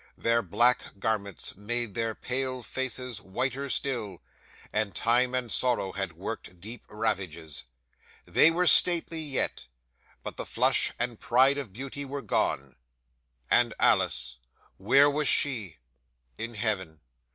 Their black garments made their pale faces whiter still, and time and sorrow had worked deep ravages. They were stately yet; but the flush and pride of beauty were gone. 'And Alice where was she? In Heaven.